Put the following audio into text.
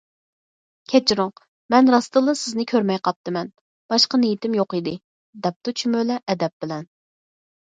‹‹ كەچۈرۈڭ، مەن راستتىنلا سىزنى كۆرمەي قاپتىمەن، باشقا نىيىتىم يوق ئىدى›› دەپتۇ چۈمۈلە ئەدەپ بىلەن.